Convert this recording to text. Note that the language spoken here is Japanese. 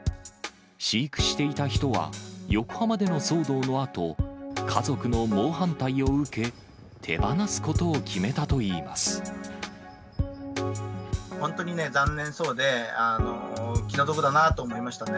飼育していた人は、横浜での騒動のあと、家族の猛反対を受け、手放すことを決めたと本当にね、残念そうで、気の毒だなと思いましたね。